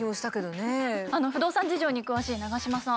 不動産事情に詳しい長嶋さん